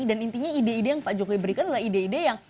dan intinya ide ide yang pak jokowi berikan adalah ide ide yang